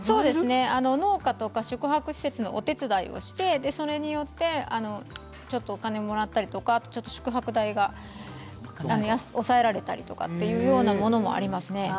農家とか宿泊施設のお手伝いをしてそれによってちょっとお金をもらったり宿泊代が抑えられたりとかというようなものもありますね。